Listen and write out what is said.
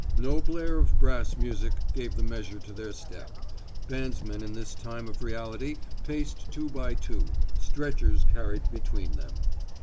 No blare of brass music gave the measure to their step; bandsmen in this time of reality paced two by two, stretchers carried between them.